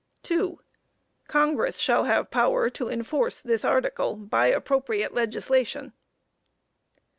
"2. Congress shall have power to enforce this article by appropriate legislation."